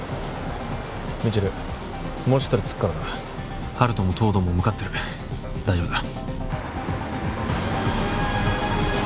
未知留もうちょっとで着くからな温人も東堂も向かってる大丈夫だ